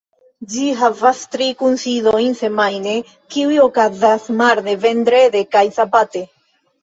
Ĝi havas tri kunsidojn semajne, kiuj okazas marde, vendrede kaj sabate.